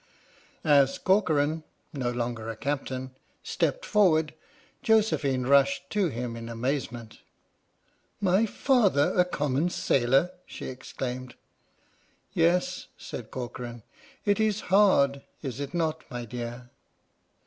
As Corcoran (no longer a captain) stepped for ward, Josephine rushed to him in amazement. " My father a common sailor! " she exclaimed. "Yes," said Corcoran, "it is hard, is it not, my dear?